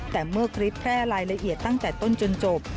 แต่เมื่อคลิปแพร่รายละเอียดตั้งแต่ต้นจนจบ